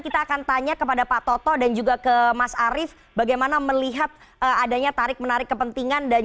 kita akan tanya kepada pak toto dan juga ke mas arief bagaimana melihat adanya tarik menarik kepentingan